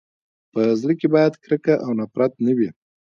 په زړه کي باید کرکه او نفرت نه وي.